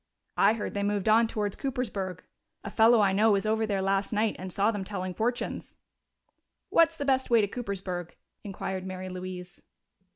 "I heard they moved on towards Coopersburg. A fellow I know was over there last night and saw them telling fortunes." "What's the best way to Coopersburg?" inquired Mary Louise.